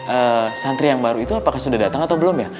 santri yang baru itu apakah sudah datang atau belum ya